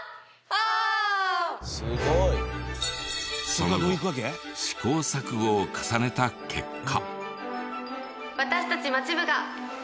その後試行錯誤を重ねた結果。